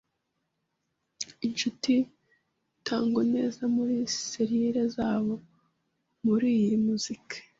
inshuti tango neza muri selile zabo muriyi muziki